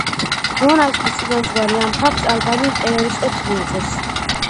მონასტრის წინამძღვარი ამ ფაქტს ალბანელ ტერორისტებს მიაწერს.